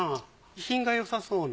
品がよさそうな。